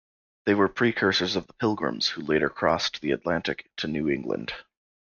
They were precursors of the Pilgrims who later crossed the Atlantic to New England.